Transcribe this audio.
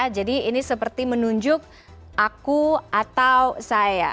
jadi ini seperti menunjuk aku atau saya